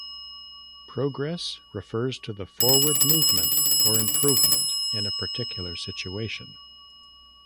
Progress refers to the forward movement or improvement in a particular situation.